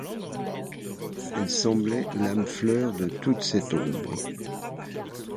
Elle semblait l’âme fleur de toute cette ombre.